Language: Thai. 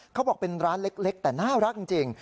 เขาบอกเป็นร้านเล็กแต่น่ารักจริง